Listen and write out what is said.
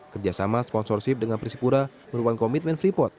kerjasama sponsorship dengan persipura merupakan komitmen freeport